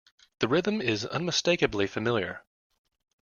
The rhythm is unmistakably familiar.